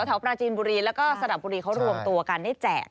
ปราจีนบุรีแล้วก็สระบุรีเขารวมตัวกันได้แจก